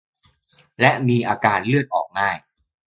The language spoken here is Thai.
และมีอาการเลือดออกง่าย